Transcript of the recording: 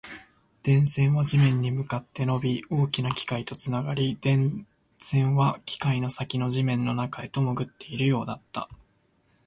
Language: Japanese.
電線は地面に向かって伸び、大きな機械とつながり、電線は機械の先の地面の中へと潜っているようだった